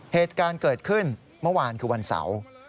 เหตุการณ์เกิดขึ้นเมื่อวานคือวันเสาร์